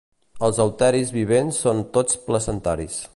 Els euteris vivents són tots placentaris.